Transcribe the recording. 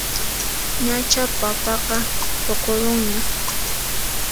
Ñachá papaqa puqurunña